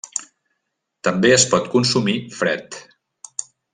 També es pot consumir fred.